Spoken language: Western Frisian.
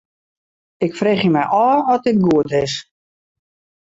Ik freegje my ôf oft dit goed is.